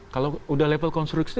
kalau udah level konstruksi